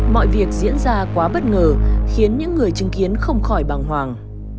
mọi việc diễn ra quá bất ngờ khiến những người chứng kiến không khỏi bằng hoàng